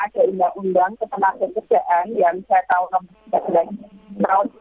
jadi memang ada undang undang